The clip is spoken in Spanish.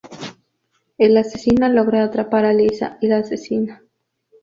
El asesino logra atrapar a Lisa, y la asesina.